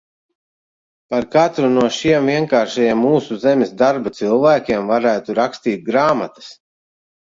Par katru no šiem vienkāršajiem mūsu zemes darba cilvēkiem varētu rakstīt grāmatas.